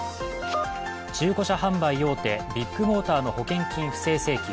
中古車販売大手ビッグモーターの保険金不正請求。